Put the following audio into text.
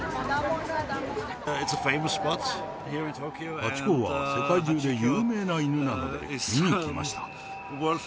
ハチ公は世界中で有名な犬なので、見に来ました。